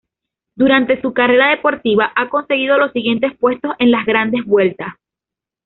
Durante su carrera deportiva ha conseguido los siguientes puestos en las Grandes Vueltas.